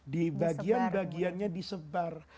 di bagian bagiannya disebar